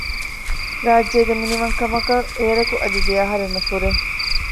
ރާއްޖޭގެ މިނިވަންކަމަކަށް އޭރަކު އަދި ދެއަހަރެއް ނުފުރޭ